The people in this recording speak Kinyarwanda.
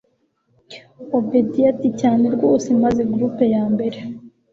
obedia ati cyane rwose maze group yambere